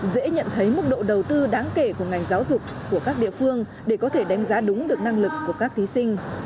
dễ nhận thấy mức độ đầu tư đáng kể của ngành giáo dục của các địa phương để có thể đánh giá đúng được năng lực của các thí sinh